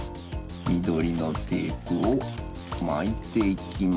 みどりのテープをまいていきます。